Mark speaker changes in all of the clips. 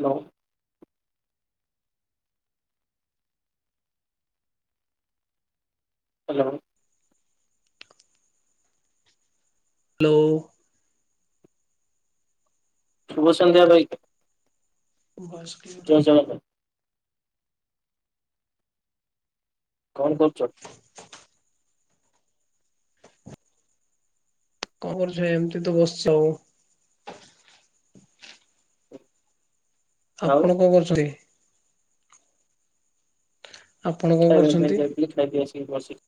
Speaker 1: Hello. Hello.
Speaker 2: Hello.
Speaker 1: ଶୁଭସନ୍ଧ୍ୟ ଭାଇ।
Speaker 2: Bus କି କର
Speaker 1: ଜୟ
Speaker 2: [unintelligible]
Speaker 1: ଜଗନ୍ନାଥ କଣ କରୁଛ?
Speaker 2: [unintelligible] କଣ କରୁଛ ଭାଈ ଏମିତି ତ ବସିଛି ଆଉ।
Speaker 1: ଆଉ
Speaker 2: ଆପଣ କଣ କରୁଛନ୍ତି? ଆପଣ କଣ
Speaker 1: ଖାଇବା ପାଇଁ
Speaker 2: କରୁଛନ୍ତି?
Speaker 1: ଯାଇଥିଲି ଖାଇକି ଆସିକି ବସି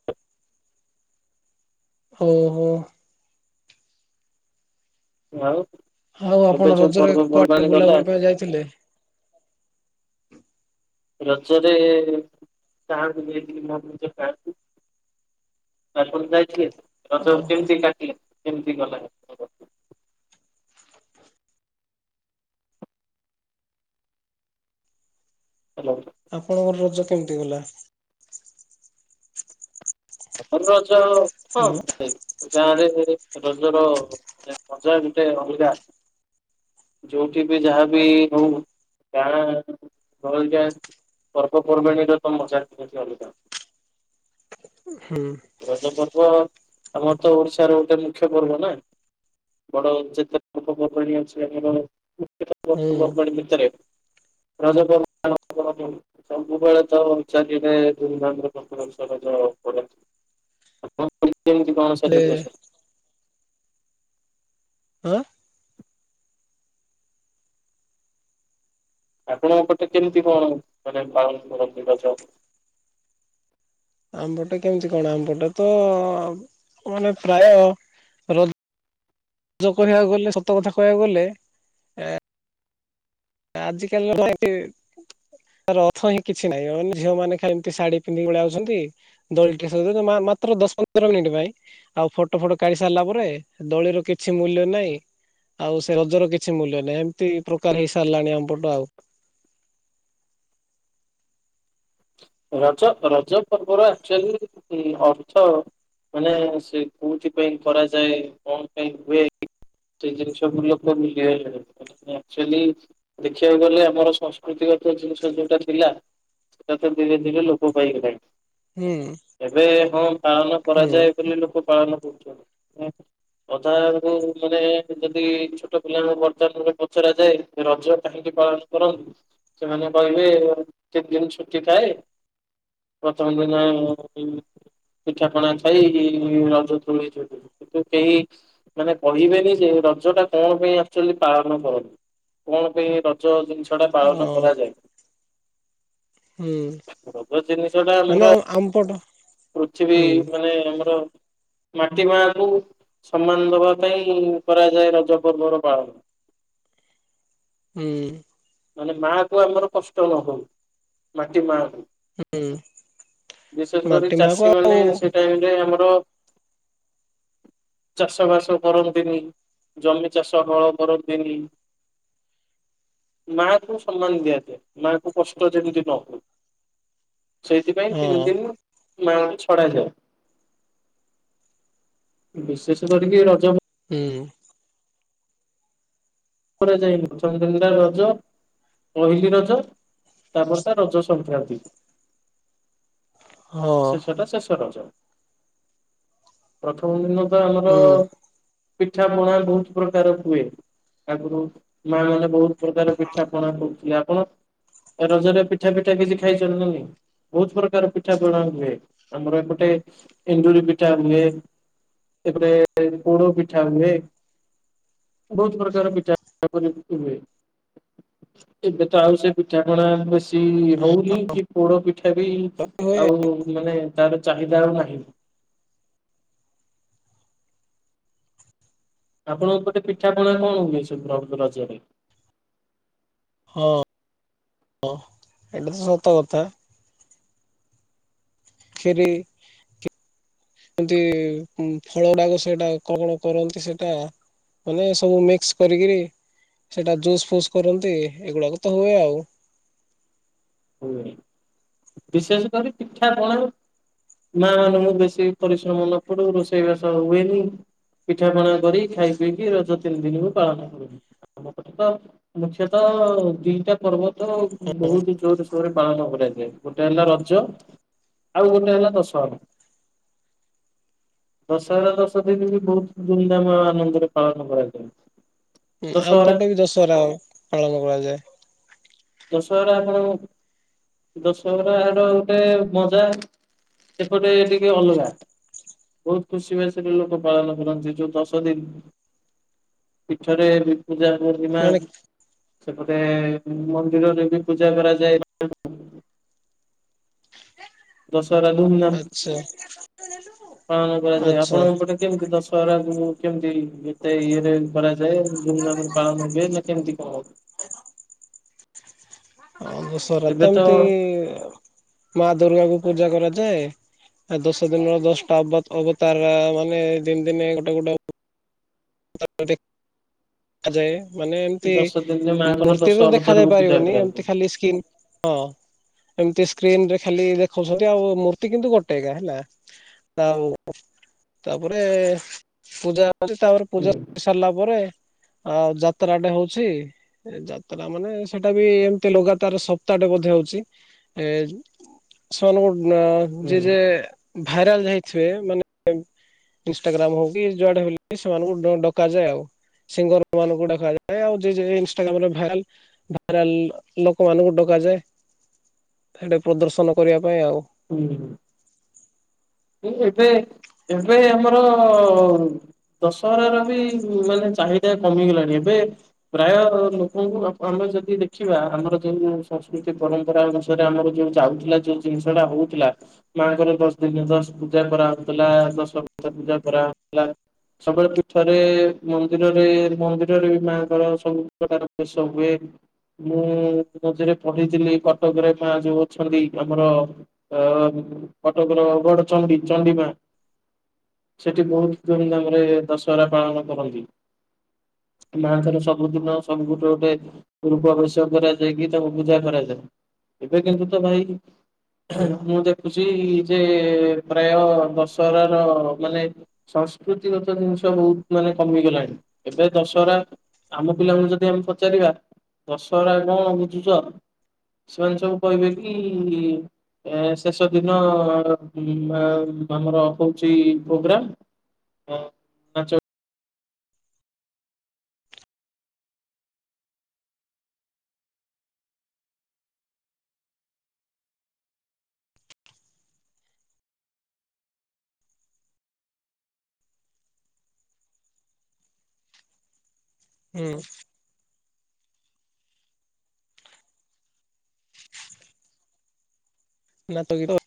Speaker 2: ହୋ ହୋ।
Speaker 1: ଆଉ
Speaker 2: ଆଉ
Speaker 1: ଏବେ
Speaker 2: ଆପଣ
Speaker 1: ଯୋଉ
Speaker 2: ରଜରେ କୁଆଡେ
Speaker 1: ପର୍ବପର୍ବାଣୀ ଗଲା
Speaker 2: ବୁଲାବୁଲି ପାଇଁ ଯାଇଥିଲେ?
Speaker 1: ରଜରେ ଗାଁ କୁ ଯାଇଥିଲି ମୋ ନିଜ ଗାଁକୁ ମାଲର୍ବଲ ଯାଇଥିଲେ ରଜ
Speaker 2: ଓହୋ
Speaker 1: କେମିତି କାଟିଲେ କେମତି ଗଲା? ହ୍ୟାଲୋ।
Speaker 2: ଆପଣଙ୍କର ରଜ କେମିତି ଗଲା?
Speaker 1: [unintelligible]
Speaker 2: ହ୍ୟାଲୋ
Speaker 1: ଗାଁରେ ରଜର ମଜା ଗୋଟେ ଅଲଗା। ଯୋଉଠି ବି ଯାହାବି ହଉ ଗାଁ ଭଲ ଟା [unintelligible] ପର୍ବପର୍ବାଣି ର ତ ମଜା ହିଁ କିଛି ଅଲଗା।
Speaker 2: ହୁଁ।
Speaker 1: ରଜ ପର୍ବ ଆମର ତ ଓଡିଶାର ଗୋଟେ ମୁଖ୍ୟ ପର୍ବ ନା ବଡ଼ ଚନିତ୍ନ୍ତାକ
Speaker 2: ହୁଁ
Speaker 1: [unintelligible] ରଜ ପର୍ବ [unintelligible] ସବୁବେଳେ ତ ଚାରିଆଡେ ଧୁମ୍ ଧାମ ରେ ପ୍ରତି ବର୍ଷ ରଜ
Speaker 2: ହେଲେ
Speaker 1: [unintelligible]
Speaker 2: ଆଁ।
Speaker 1: ଆପଣଙ୍କ ପଟେ କେମିତି କଣ ମାନେ ପାଳନ କରିନ୍ତି ରଜ?
Speaker 2: ଆମ ପଟେ କେମିତି କଣ ଆମ ପଟେ ତ ମାନେ ପ୍ରାୟ ରଜ ରଜ କହିବାକୁ ଗଲେ ସତ କଥା କହିବାକୁ ଗଲେ ଆଜି କାଲି [unintelligible] ତାର ଅର୍ଥ ହିଁ କିଛି ନାହିଁ ମାନେ ଝିଅ ମାନେ ଖାଲି ଏମିତି ଶାଢୀ ପିନ୍ଧିକି ପାଲେଇଆଉଛନ୍ତି ଦୋଳି ଟେ ସଜ ମାତ୍ର ଦଶ ପନ୍ଦର ମିନିଟ୍ ପାଇଁ ଆଉ ଫଟୋ ଫୋଟ କାଢି ସାରିଲା ପରେ ଦୋଳିର କିଛି ମୂଲ୍ୟ ନାହିଁ। ଆଉ ସେ ରଜର କିଛି ମୂଲ୍ୟ ନାହିଁ ଏମିତି ପ୍ରକାର ହେଇ ସାରିଲାଣି ଆମପଟ ଆଉ
Speaker 1: ରଜ ରଜ ପର୍ବର ଆଚୁଆଲି ଅର୍ଥ ମାନେ ସେ କୋଉଥି ପାଇଁ କରାଯାଏ କଣ ପାଇଁ ହୁଏ। ସେ ଜିନିଷ ଲୋକ ଭୁଲିଗଲେ। ଆକଚୁଆଲି ଦେଖିବାକୁ ଗଲେ ଆମର ସଂସ୍କୃତି ଗତ ଜିନିଷ ଯୋଉଟା ଥିଲା ସେଟା ଧୀରେ ଧୀରେ ଲୋପ ପାଇଗଲାଣି।
Speaker 2: ହୁଁ
Speaker 1: ଏବେ ହଁ ପାଳନ
Speaker 2: ହୁଁ।
Speaker 1: କରାଯାଏ ବୋଲି ଲୋକ ପାଳନ କରୁଛନ୍ତି। ଅଧାଙ୍କୁ ମାନେ ଯଦି ଛୋଟ ପିଲାଙ୍କୁ ବର୍ତ୍ତମାନ ପଚରା ଯାଏ ରଜ କାହିଁକି ପାଳନ କରନ୍ତୁ ସେମାନେ କହିବେ କେତେ ଦିନ ଛୁଟି ଥାଏ। ପ୍ରଥମ ଦିନ ପିଠାପଣା ଖାଇ ରଜ ଦୋଳି ଝୁଲି କିନ୍ତୁ କେହି ମାନେ କହିବେନି ଯେ ରଜ ଟା କଣ ପାଇଁ ଆକଚୁଆଲି ପାଳନ କରନ୍ତି। କଣ ପାଇଁ ରଜ ଜିନିଷ ଟା ପାଳନ
Speaker 2: ଓ
Speaker 1: କରାଯାଏ।
Speaker 2: ହୁଁ
Speaker 1: ରଜ ଜିନିଷ ଟା
Speaker 2: ମାନେ
Speaker 1: ଆମର
Speaker 2: ଆ ଆମପଟ
Speaker 1: ପୃଥିବୀ
Speaker 2: ହୁଁ
Speaker 1: ମାନେ ଆମର ମାଟି ମାଙ୍କୁ ସମ୍ମାନ ଦବା ପାଇଁ କରାଯାଏ ରଜ ପର୍ବ ର ପାଳନ।
Speaker 2: ହୁଁ।
Speaker 1: ମାନେ ମାକୁ ଆମର କଷ୍ଟ ନ ହଉ ମାଟି ମାକୁ।
Speaker 2: ହୁଁ।
Speaker 1: ବିଶେଷ କରି
Speaker 2: ମାଟି ମାହାକୁ
Speaker 1: ଚାଷୀ
Speaker 2: ଆଉ
Speaker 1: ମାନେ ସେ ଟାଇମରେ ଆମର ଚାଷ ବାସ କରନ୍ତିନି ଜମି ଚାଷ ହଳ କରନ୍ତିନି। ମା କୁ ସମ୍ମାନ ଦିଆଯାଏ। ମା କୁ କଷ୍ଟ ଯେମିତି ନ ହୁଏ। ସେଇଥିପାଇଁ
Speaker 2: ହଁ
Speaker 1: ତିନି ଦିନି ମାଙ୍କୁ ଛଡା ଯାଏ। ବିଶେଷ କରିକି ରଜ
Speaker 2: ହୁଁ।
Speaker 1: କରାଯାଏନି ପ୍ରଥମ ଦିନଟା ରଜ ପହିଲି ରଜ ତା ପରଟା ରଜ ସଂକ୍ରାନ୍ତି।
Speaker 2: ହଁ
Speaker 1: ଶେଷଟା ଶେଷ ରଜ। ପ୍ରଥମ ଦିନ ତ ଆମର
Speaker 2: ହୁଁ
Speaker 1: ପିଠା ପଣା ବହୁତ ପ୍ରକାର ହୁଏ। ଆଗରୁ ମା ମାନେ ବହୁତ ପ୍ରକାର ପିଠା ପଣା କରୁଥିଲେ। ଆପଣ ଏ ରଜରେ ପିଠା ପିଠା କିଛି ଖାଇଛନ୍ତିଁ ନା ନାହିଁ। ବହୁତ ପ୍ରକାର ପିଠା ପଣା ହୁଏ। ଆମର ଏପଟେ ଏଣ୍ଡୁରି ପିଠା ହୁଏ। ଏପଟେ ପୋଡପିଠା ହୁଏ। ବହୁତ ପ୍ରକାର ପିଠା ପ ହୁଏ। ଏବେ ତ ଆଉ ସେ ପିଠା ପଣା ବେଶୀ ହଉନି କି ପୋଡ ପିଠା ବି
Speaker 2: ହୁଏ
Speaker 1: ଆଉ ମାନେ ତାର ଚାହିଦା ଆଉ ନାହିଁ। ଆପଣଙ୍କ ଉପଟେ ପିଠା ପଣା କଣ ହୁଏ ସେ ରଜରେ।
Speaker 2: ହଁ ହଁ ଏଇଟା ତ ସତ କଥା। ଖିରି। ଏମତି ଫଳଡାକ ସେଟା କଣ କଣ କରନ୍ତି ସେଇଟା। ମାନେ ସବୁ ମିକ୍ସ କରିକିରି ସେଟା ଜୁସ୍ ଫୁସ୍ କରନ୍ତି। ଏଗୁଡାକ ତ ହୁଏ ଆଉ।
Speaker 1: ହୁଏ ବିଶେଷ କରି ପିଠା ପଣାରୁ ମା ମାନେଙ୍କୁ ବେଶୀ ପରିଶ୍ରମ ନ ପଡୁ ରୋଷେଇବାସ ହୁଏନି। ପିଠାପଣା କରି ଖାଇ ପିଇକି ରଜ ତିନି ଦିନକୁ ପାଳନ କରୁ। ଆମ ପଟେ ତ ମୁଖ୍ୟତଃ ଦିଟା ପର୍ବ ତ ବହୁତ ଜୋରେ ପାଳନ କରାଯାଏ। ଗୋଟେ ହେଲା ରଜ ଆଉ ଗୋଟେ ହେଲା ଦଶହରା। ଦଶହରା ଦଶ ଦିନ ବି ବହୁତ ଧୁମଧାମ ଆନନ୍ଦରେ ପାଳନ କରାଯାଏ।
Speaker 2: ହଁ
Speaker 1: ଦଶହରା
Speaker 2: ଆମପଟେ ବି ଦଶହରା ପାଳନ କରାଯାଏ।
Speaker 1: ଦଶହରା ଆପଣ ଦଶହରା ର ଗୋଟେ ମଜା ସେପଟେ ଟିକେ ଅଲଗା। ବହୁତ ଖୁସି ଭାସିରେ ଲୋକ ପାଳନ କରନ୍ତି। ଯୋଉ ଦଶ ଦିନ। ପିଠରେ ପୂଜା ପୂର୍ଣ୍ଣିମା
Speaker 2: ମାନେ
Speaker 1: ସେପଟେ ମନ୍ଦିରରେ ବି ପୂଜା କରାଯାଏ। ଦଶହରା ଧୂମଧାମ
Speaker 2: ଆଚ୍ଛା
Speaker 1: ପାଳନ କରାଯାଏ।
Speaker 2: ଆଚ୍ଛା।
Speaker 1: ଆପଣଙ୍କ ଗୋଟେ କେମତି ଦଶହରା ଯ କେମିତି ଏତେ ଇଏରେ କରାଯାଏ। ଯାଏ ଧୂମଧାମ ରେ ପାଳନ ହୁଏ। ନା କେମିତି କଣ?
Speaker 2: [inaudible] ଆ ଦଶହରା ତ ଏମିତି ମା ଦୁର୍ଗା କୁ ପୂଜା କରାଯାଏ। ଆ ଦଶ ଦିନର ଦଶଟା ଅ ଅବତାର ମାନେ ଦିନ ଦିନେ ଗୋଟେ ଗୋଟେ [unintelligible] ଦେଖାଯାଏ ମାନେ ଏମତି
Speaker 1: ଦଶ ଦିନରେ ମାଆଙ୍କର
Speaker 2: ମୂର୍ତ୍ତି
Speaker 1: ଦଶ
Speaker 2: ତ ଦେଖାଯାଇ
Speaker 1: ଅବତାରକୁ ପୂଜା
Speaker 2: ପାରିବନି
Speaker 1: କରାଯାଏ।
Speaker 2: ଏମତି ଖାଲି ସ୍କିନ୍ ହଁ ଏମିତି ସ୍କ୍ରିନ ରେ ଖାଲି ଦେଖାଉଛନ୍ତି। ଆଉ ମୂର୍ତ୍ତି କିନ୍ତୁ ଗୋଟେ ଏକା ହେଲା। ହଉ। ତାପରେ ପୂଜା ଅଛି। ତାପରେ ପୂଜା
Speaker 1: ହୁଁ
Speaker 2: ସରିଲା ପରେ ଯାତ୍ରାଟେ ହଉଚି। ଯାତ୍ରା ମାନେ, ସେଟା ବି ଏମ୍ତି ଲଗାତାରେ ସପ୍ତାଟେ ବଧେ ହଉଚି। ଯେ
Speaker 1: ହୁଁ
Speaker 2: ଭାଇରାଲ୍ ହେଇ--ବେ ମାନେ ଇନଷ୍ଟଟାଗ୍ରାମ୍ ହଉ କିି ଯୁଆଡ଼େ ହେ ସେମାନଙ୍କୁ ଡ଼କାଯାଏ ଆଉ। ସିଙ୍ଗର୍ ମାନଙ୍କୁ ଡ଼କାଯାଏ, ଆଉ ଇଷ୍ଟାଗ୍ରାମ୍ ରେ ଭାରରାଲ୍ ଭଇରାଲ୍ ଲୋକମାନାନଙ୍କୁ ଡ଼କାଯାଏ, ପ୍ରଦର୍ଶନ କରିବା ପାଇଁ ଆଉ।
Speaker 1: [inaudible] ଏବେ ଆମ୍ର ଦଶହରାର ବି ମାନେ ଚାହିଦା କମିଗଲାଣି। ଏବେ ପ୍ରାୟ ଲୋକଙ୍କୁ ଆମେ ଯଦି ଦେଖିବା, ଆମର ଉ ସଂସ୍କୃତି ପରମ୍ପରା ଆମର ଯଉ ଯାଉଥିଲା, ଯଉ ଜିନିଷ୍ ଟା ହଉଥିଲା। ମାଙ୍କର ପୂଜା କରା ହଉଥିଲା, କରା ହଉ--ଲା। ସବୁ--ଳେ ପୀଠରେ ମନ୍ଦିରରେ, ମନ୍ଦିରରେ ବି ମାଆଙ୍କର ସବୁ ପ୍ରକାର ବେଶ ହୁଏ। ମୁଁ ମଝିରେ ପ--ଥିଲି କଟକରେ ମା ଯଉ ଅଛନ୍ତି ଆମର। କଟକର ଚଣ୍ଡୀ ଚଣ୍ଡିୀମା ସେଠି ବହୁତ୍ ଧୁମ୍ଧାମ୍ ରେ ଦଶହରା ପାଳନ କରନ୍ତି। ମା‌'ଙ୍କର ସବୁଦିନ ସବୁ ଟେ କରାଯାଇକି ତାକୁ ପୂଜା କରାଯାଏ। ଏବେ କିନ୍ତୁ ତ ଭାଇ ମୁଁ ଦେଖୁଚି ଯେ, ପ୍ରାୟ ଦଶହରା ମାନେ ସଂସ୍କୃତି ଗତ ନ୍‌ଷ ବହୁତ୍ ମାନେ କମିଗଲାଣି, ଏବେ ଦଶ--ରା ଆମ ପିଲା ଯଦି ଆମେ ପଚାରିବା ଦଶହରା କ'ଣ ବୁଝୁଚ? ସେମାନେ ସବୁ କହିବେ କି, ଶେଷ ଦିନ ଆମର ହଉଚି ପ୍ରୋଗ୍ରାମ୍
Speaker 2: [inaudible] [inaudible]